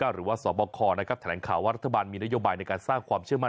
หรือว่าสบคแถลงข่าวว่ารัฐบาลมีนโยบายในการสร้างความเชื่อมั่น